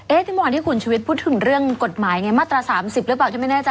เอ๊ะที่มันที่คุณชีวิตพูดถึงเรื่องกฎหมายไงมาตราสามสิบหรือเปล่า